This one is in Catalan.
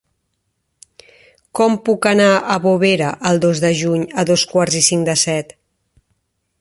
Com puc anar a Bovera el dos de juny a dos quarts i cinc de set?